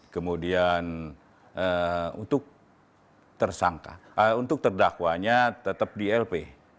kemudian untuk tersangka untuk terdakwanya tetap di lp